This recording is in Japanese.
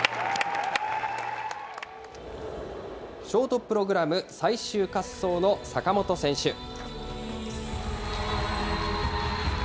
ショートプログラム最終滑走の坂本選手。